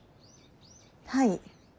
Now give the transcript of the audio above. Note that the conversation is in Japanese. はい。